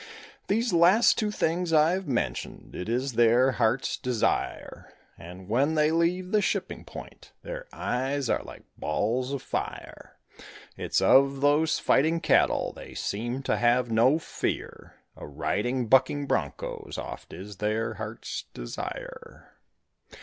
Those last two things I've mentioned, it is their heart's desire, And when they leave the shipping point, their eyes are like balls of fire. It's of those fighting cattle, they seem to have no fear, A riding bucking broncos oft is their heart's desire.